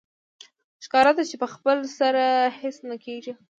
ښکاره ده چې په خپل سر هېڅ نه کېږي